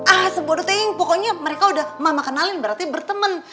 ah sebodoh teh pokoknya mereka udah mama kenalin berarti bertemen